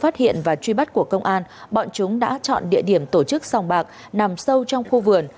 trất của công an bọn chúng đã chọn địa điểm tổ chức sòng bạc nằm sâu trong khu vườn